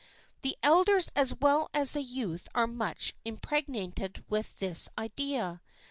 The elders as well as the youth are much impregnated with this idea.